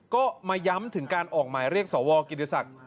ก็มาย้ำถึงการออกหมายเรียกสวกิติศักดิ์